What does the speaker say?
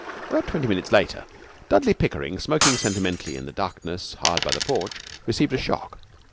About twenty minutes later Dudley Pickering, smoking sentimentally in the darkness hard by the porch, received a shock.